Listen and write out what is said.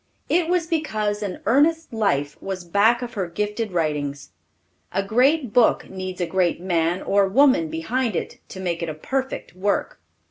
It was because an earnest life was back of her gifted writings. A great book needs a great man or woman behind it to make it a perfect work.